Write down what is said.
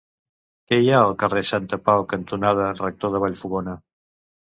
Què hi ha al carrer Santapau cantonada Rector de Vallfogona?